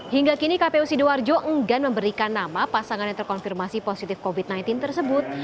hingga kini kpu sidoarjo enggan memberikan nama pasangan yang terkonfirmasi positif covid sembilan belas tersebut